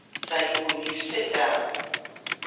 say "Will you sit down?" 144.